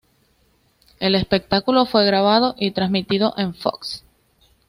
El espectáculo fue grabado y transmitido en Fox.